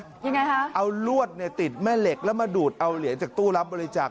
ยังไงคะเอาลวดเนี่ยติดแม่เหล็กแล้วมาดูดเอาเหรียญจากตู้รับบริจาค